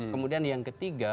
kemudian yang ketiga